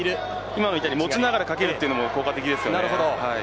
今のも持ちながら投げるというのも効果的です。